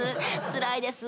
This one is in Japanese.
つらいです。